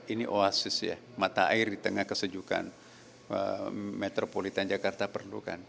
ini oasis ya mata air di tengah kesejukan metropolitan jakarta perlu kan